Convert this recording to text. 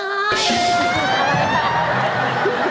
อืด